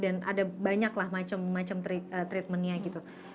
dan ada banyaklah macam macam treatmentnya gitu